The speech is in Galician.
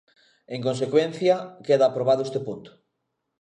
En consecuencia, queda aprobado este punto.